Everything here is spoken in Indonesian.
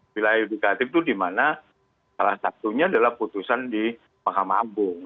wilayahnya yudhikathir itu dimana salah satunya adalah putusan di mahkamah ambung